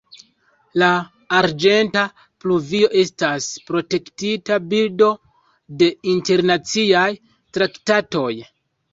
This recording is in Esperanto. La arĝenta pluvio estas protektita birdo de internaciaj traktatoj.